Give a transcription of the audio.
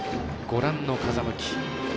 ご覧の風向き。